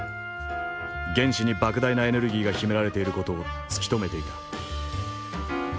原子にばく大なエネルギーが秘められている事を突き止めていた。